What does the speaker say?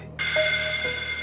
salah satunya anak roy